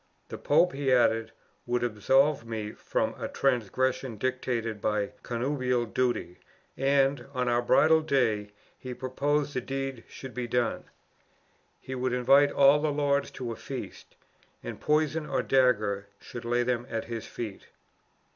The pope, he added, would absolve me from a transgression dictated by connubial duty; and, on our bridal day, he proposed the deed should be done. He would invite all the lords to a feast; and poison, or dagger, should lay them at his feet.